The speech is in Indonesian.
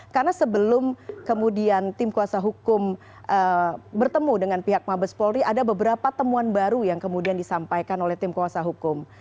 karena sebelum kemudian tim kuasa hukum bertemu dengan pihak mabes polri ada beberapa temuan baru yang kemudian disampaikan oleh tim kuasa hukum